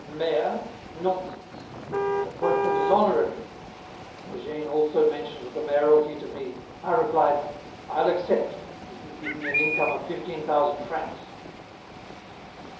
"Mayor! Nonsense. That appointment is honorary. Eugène also mentioned the mayoralty to me. I replied: 'I'll accept, if you give me an income of fifteen thousand francs.